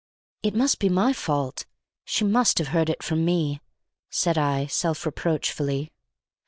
"It must be my fault! She must have heard it from me," said I self reproachfully.